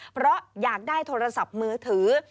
เพราะอยากได้โทรศัพท์มือถือ